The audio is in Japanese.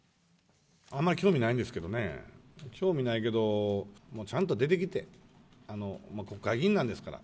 あんまり興味ないんですけどね、興味ないけど、もうちゃんと出てきて、もう国会議員なんですから。